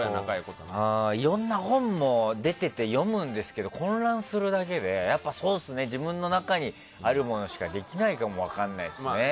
いろんな本も出てて読むんですけど混乱するだけでやっぱりそうですね、自分の中にあるものしかできないかも分からないですね。